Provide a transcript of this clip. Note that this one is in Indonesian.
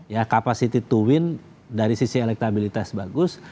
ya capacity to win dari sisi elektabilitas bagus